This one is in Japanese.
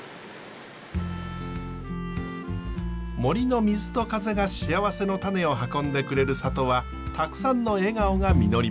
森の水と風が幸せの種を運んでくれる里はたくさんの笑顔が実ります。